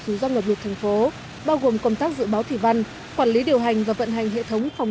rủi ro ngập lụt thành phố bao gồm công tác dự báo thủy văn quản lý điều hành và vận hành hệ thống phòng